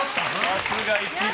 さすが１号！